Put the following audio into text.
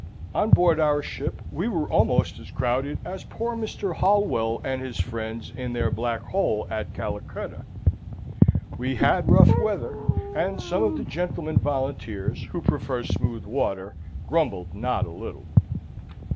On board our ship, we were almost as crowded as poor Mr. Holwell and his friends in their Black Hole at Calicutta. We had rough weather, and some of the gentlemen volunteers, who prefer smooth water, grumbled not a little.